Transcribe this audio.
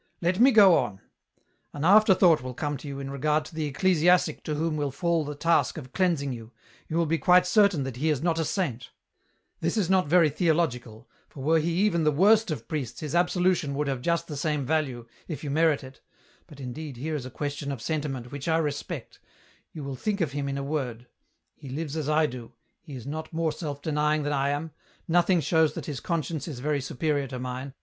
" Let me go on. An afterthought will come to you in regard to the ecclesiastic to whom will fall the task of cleansing you, you will be quite certain that he is not a saint ; this is not very theological, for were he even the worst of priests his absolution would have just the same value, if you merit it, but indeed here is a question of sentiment which I respect, you will think of him in a word : he lives as I do, he is not more self denying than I am, nothing shows that his conscience is very superior to mine, EN ROUTE.